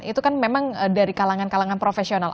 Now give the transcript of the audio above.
itu kan memang dari kalangan kalangan profesional